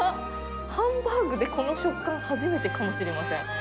ハンバーグでこの食感、初めてかもしれません。